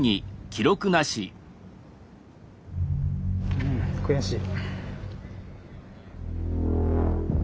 うん悔しい。